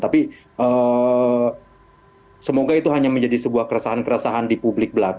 tapi semoga itu hanya menjadi sebuah keresahan keresahan di publik belakang